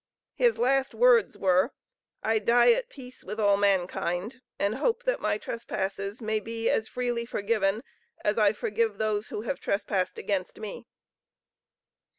His last words were, "I die at peace with all mankind, and hope that my trespasses may be as freely forgiven, as I forgive those who have trespassed against me."